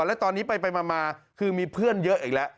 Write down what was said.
แล้วตอนนี้ไปมาคือมีเพื่อนเยอะอีกแล้ว